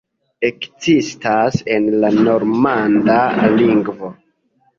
Ekzistas en la normanda lingvo.